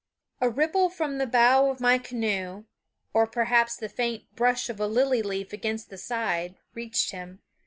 A ripple from the bow of my canoe, or perhaps the faint brush of a lily leaf against the side, reached him.